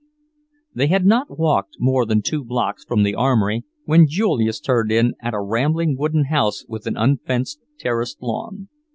They had not walked more than two blocks from the Armory when Julius turned in at a rambling wooden house with an unfenced, terraced lawn.